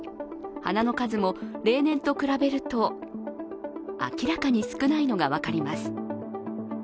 花の数も例年と比べると明らかに少ないのが分かります。